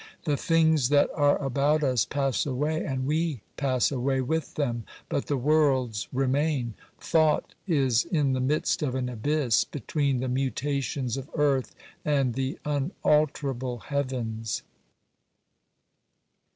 The things that are about us pass away, and we pass away with them, but the worlds remain ! Thought is in the midst of an abyss, between the mutations of earth and the unalterable heavens.